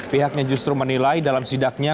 pihaknya justru menilai dalam sidaknya